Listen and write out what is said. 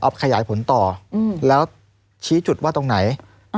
เอาขยายผลต่อแล้วชี้จุดว่าตรงไหน